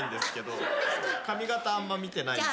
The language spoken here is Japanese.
髪形あんま見てないっすね。